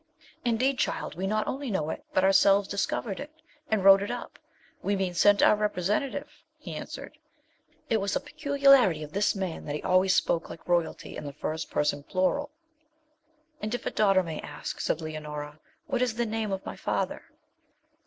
'Indeed, child, we not only know it, but ourselves discovered it and wrote it up we mean, sent our representative,' he answered. It was a peculiarity of this man that he always spoke, like royalty, in the first person plural. 'And if a daughter may ask,' said Leonora, 'what is the name of my father?'